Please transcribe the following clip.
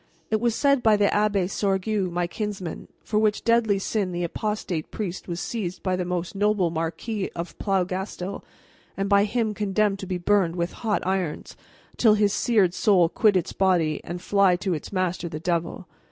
And it was said by the Abbé Sorgue, my kinsman: for which deadly sin the apostate priest was seized by the most noble Marquis of Plougastel and by him condemned to be burned with hot irons, until his seared soul quit its body and fly to its master the devil.